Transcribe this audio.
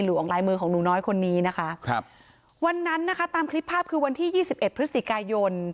วันนั้นนะคะตามคลิปภาพวันที่๒๑พฤศจิกายน